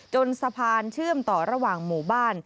สะพานเชื่อมต่อระหว่างหมู่บ้าน